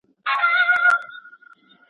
د ګاونډیانو لاسوهنه څنګه غندل کېږي؟